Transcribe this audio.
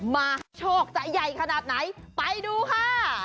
มาโชคจะใหญ่ขนาดไหนไปดูค่ะ